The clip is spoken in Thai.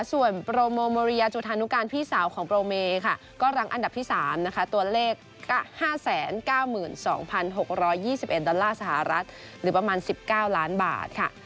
ส่วนโปรโมโมเรียจุธานุการพี่สาวของโปรเมค่ะก็รังอันดับที่๓นะคะตัวเลข๕๙๒๖๒๑ดอลลาร์สหรัฐหรือประมาณ๑๙ล้านบาทค่ะ